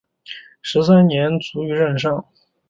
十三年卒于任上。